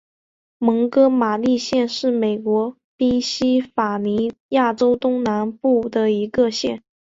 蒙哥马利县是美国宾夕法尼亚州东南部的一个县。